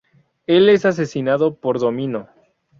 Él es asesinado por Domino.